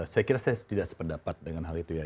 saya kira saya tidak sependapat dengan hal itu ya